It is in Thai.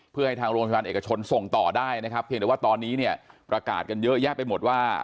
เพื่อให้ทางโรงพยาบาลเอกชนส่งต่อได้นะครับเพียงแต่ว่าตอนนี้เนี่ยประกาศกันเยอะแยะไปหมดว่า